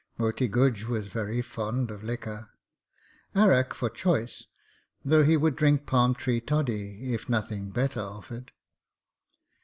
Moti Guj was very fond of liquor arrack for choice, though he would drink palm tree toddy if nothing better offered.